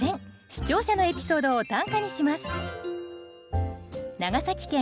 視聴者のエピソードを短歌にします。